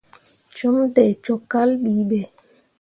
Cum dai cok kal bi be.